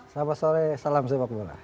selamat sore salam sepak bola